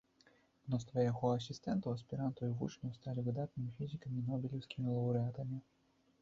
Мноства яго асістэнтаў, аспірантаў і вучняў сталі выдатнымі фізікамі і нобелеўскімі лаўрэатамі.